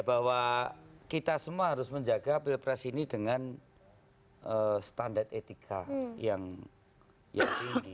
bahwa kita semua harus menjaga pilpres ini dengan standar etika yang tinggi